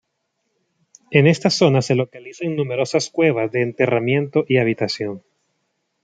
En esta zona se localizan numerosas cuevas de enterramiento y habitación.